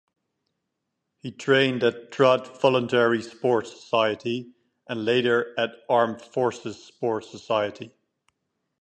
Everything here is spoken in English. He trained at Trud Voluntary Sports Society, and later at Armed Forces sports society.